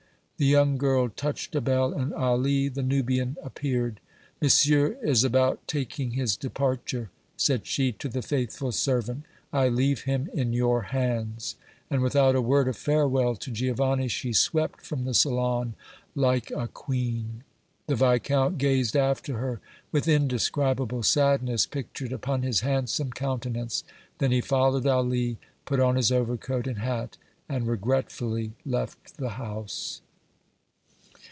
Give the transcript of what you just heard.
The young girl touched a bell and Ali, the Nubian, appeared. "Monsieur is about taking his departure," said she to the faithful servant. "I leave him in your hands." And without a word of farewell to Giovanni, she swept from the salon like a queen. The Viscount gazed after her with indescribable sadness pictured upon his handsome countenance. Then he followed Ali, put on his overcoat and hat and regretfully left the house.